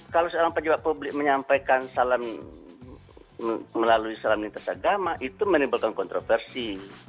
kalau seorang pejabat publik menyampaikan salam melalui salam lintas agama itu menimbulkan kontroversi